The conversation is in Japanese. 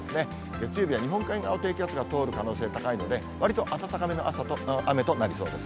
月曜日は日本海側を低気圧が通る可能性高いので、わりと暖かめの朝となりそうです。